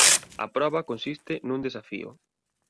A proba consiste nun desafío.